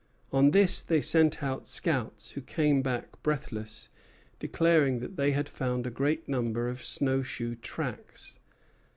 On this they sent out scouts, who came back breathless, declaring that they had found a great number of snow shoe tracks.